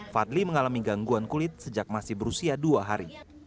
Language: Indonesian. fadli mengalami gangguan kulit sejak masih berusia dua hari